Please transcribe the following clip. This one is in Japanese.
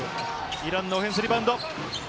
イランのオフェンスリバウンド。